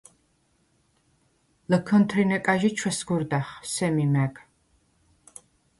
ლჷქჷნთრინე კაჟი ჩვესგურდახ სემი მა̈გ.